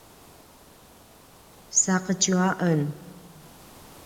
saqetju a en